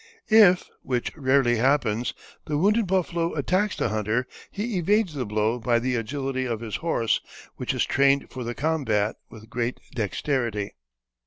If, which rarely happens, the wounded buffalo attacks the hunter, he evades the blow by the agility of his horse, which is trained for the combat with great dexterity."